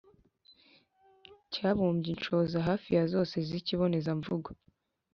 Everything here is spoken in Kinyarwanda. cyabumbye inshoza hafi ya zose z’ikibonezamvugo